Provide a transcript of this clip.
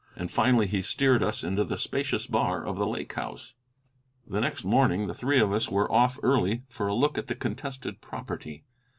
And finally he steered us into the spacious bar of the Lake House. The next morning the three of us were off early for a look at the contested property.